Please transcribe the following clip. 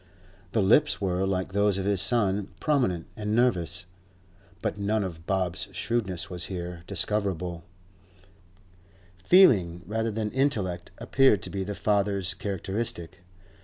The lips were, like those of his son, prominent and nervous, but none of Bob's shrewdness was here discoverable; feeling rather than intellect appeared to be the father's characteristic.